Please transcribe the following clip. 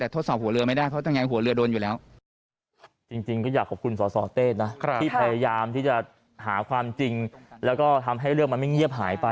ที่พยายามที่จะหาความจริงแล้วก็ทำให้เรื่องมันไม่เงียบหายไป